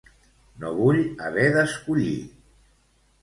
No vull haver d'escollir.